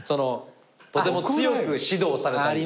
とても強く指導されたり。